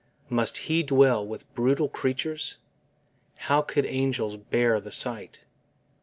Must He dwell with brutal creatures How could angels bear the sight?